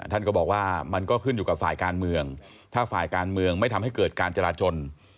ท่านก็บอกว่ามันก็ขึ้นอยู่กับฝ่ายการเมืองถ้าฝ่ายการเมืองไม่ทำให้เกิดการจราจน